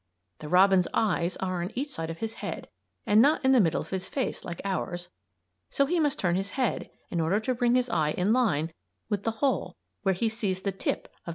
The robin's eyes are on each side of his head and not in the middle of his face like ours, so he must turn his head in order to bring his eye in line with the hole where he sees the tip of Mr. Earthworm's nose.